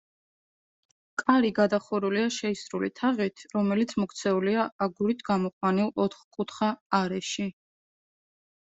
კარი გადახურულია შეისრული თაღით, რომელიც მოქცეულია აგურით გამოყვანილ, ოთხკუთხა არეში.